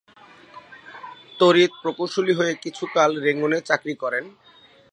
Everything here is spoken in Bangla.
তড়িৎ প্রকৌশলী হয়ে কিছুকাল রেঙ্গুনে চাকরি করেন।